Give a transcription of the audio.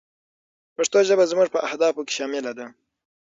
پښتو ژبه زموږ په اهدافو کې شامله ده.